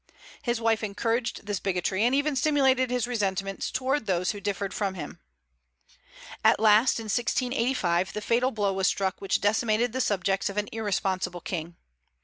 His wife encouraged this bigotry, and even stimulated his resentments toward those who differed from him. At last, in 1685, the fatal blow was struck which decimated the subjects of an irresponsible king.